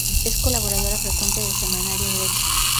Es colaboradora frecuente del semanario Brecha.